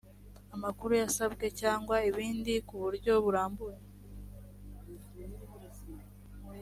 amakuru yasabwe cyangwa ibindi kuburyo burambuye